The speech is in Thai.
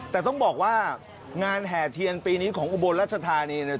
แต่ต้องบอกว่างานแห่เทียนปีนี้ของอุบลรัชธานีเนี่ย